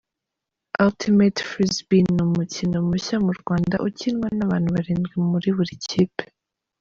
Ultimate Frisbee ni umukino mushya mu Rwanda, ukinwa n’abantu barindwi muri buri kipe.